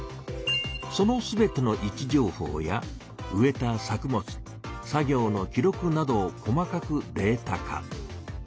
その全ての位置情報や植えた作物作業の記録などを細かくデータ化。